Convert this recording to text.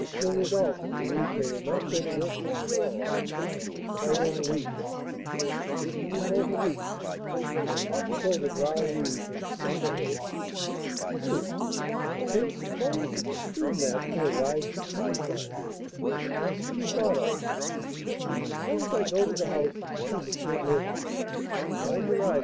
Rodolph, who believes they will not go to work till to morrow, is quite over reached; and if he is over reached, I ought to go to Bras Rouge's and see for him. True; but then suppose that the Schoolmaster arrives in the meantime, that's to be thought of. Suppose I go to the house and see M. Murphy, mind your eye!